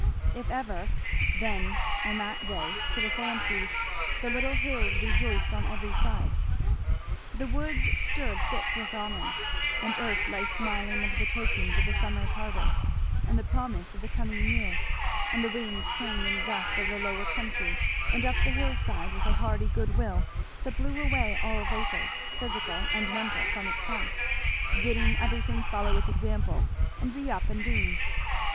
If ever, then on that day, to the fancy, "the little hills rejoiced on every side." The woods stood thick with honours, and earth lay smiling under the tokens of the summer's harvest and the promise for the coming year; and the wind came in gusts over the lower country and up the hill side with a hearty good will that blew away all vapours, physical and mental, from its path, bidding everything follow its example and be up and doing.